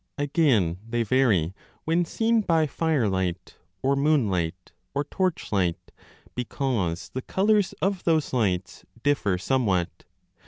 20 Again, they vary when seen by firelight or moonlight or torchlight, because the colours of those lights differ some what.